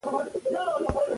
بېکاري د بې وزلۍ لامل کیږي.